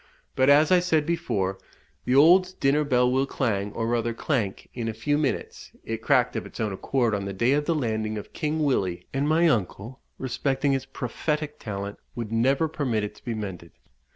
But, as I said before, the old dinner bell will clang, or rather clank, in a few minutes it cracked of its own accord on the day of the landing of King Willie, and my uncle, respecting its prophetic talent, would never permit it to be mended.